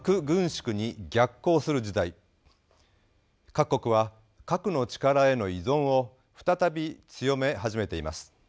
各国は核の力への依存を再び強め始めています。